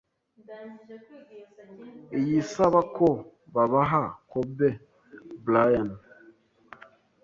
iyisaba ko babaha Kobe Bryant